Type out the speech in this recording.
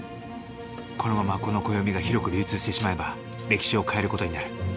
このままこの暦が広く流通してしまえば歴史を変える事になる。